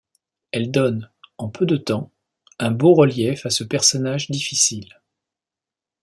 Elle donne, en peu de temps, une beau relief à ce personnage difficile.